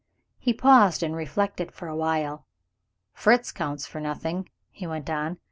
He paused, and reflected for awhile. "Fritz counts for nothing," he went on.